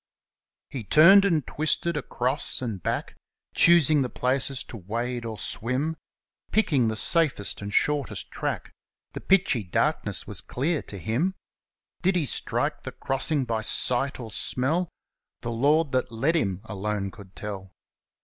He turned and twisted across and back, Choosing the places to wade or swim. Picking the safest and shortest track — The blackest darkness was clear to him. Did he strike the crossing by sight or smell? The Lord that held him alone could tell!